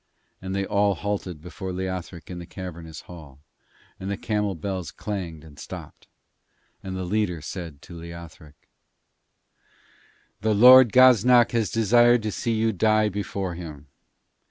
And they all halted before Leothric in the cavernous hall, and the camel bells clanged and stopped. And the leader said to Leothric: 'The Lord Gaznak has desired to see you die before him.